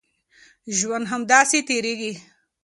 ژوند همداسې تېرېږي.